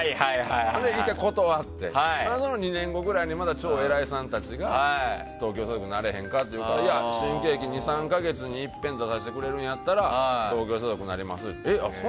それで１回断ってその２年後ぐらいに超お偉いさんたちが東京所属になれへんか？と言って新喜劇２３か月にいっぺん出させてくれるんやったら東京所属になりますって。